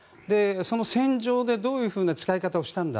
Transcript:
その戦場でどういう使い方をしたんだ